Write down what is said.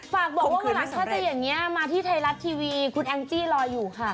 ฝากบอกว่าเวลาถ้าจะอย่างนี้มาที่ไทยรัฐทีวีคุณแองจี้รออยู่ค่ะ